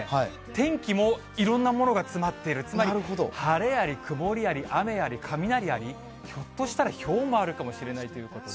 天気もいろんなものが詰まっている、つまり晴れあり、曇りあり、雨あり、雷あり、ひょっとしたらひょうもあるかもしれないということで。